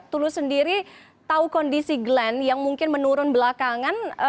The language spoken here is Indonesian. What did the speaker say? tulus sendiri tahu kondisi glenn yang mungkin menurun belakangan